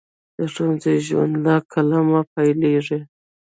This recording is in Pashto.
د ښوونځي ژوند له قلمه پیلیږي.